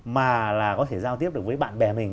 mà là có thể giao tiếp được với bạn bè mình